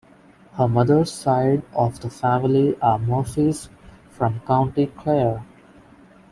Her mother's side of the family are Murphys from County Clare.